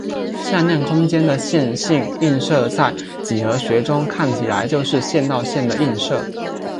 向量空间的线性映射在几何学中看起来就是线到线的映射。